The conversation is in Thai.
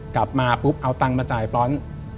กลับมาเอาตังมาจ่ายปลอส